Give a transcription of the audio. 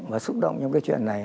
và xúc động trong cái chuyện này